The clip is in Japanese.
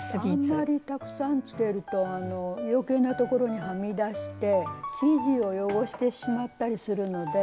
あんまりたくさんつけると余計なところにはみ出して生地を汚してしまったりするので。